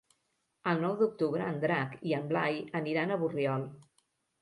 El nou d'octubre en Drac i en Blai aniran a Borriol.